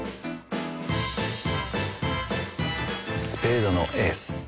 スペードのエース。